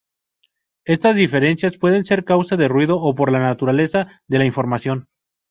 Estas diferencias pueden ser causa de ruido o por la naturaleza de la información.